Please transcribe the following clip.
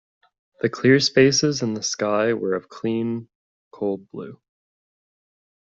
The clear spaces in the sky were of clean, cold blue.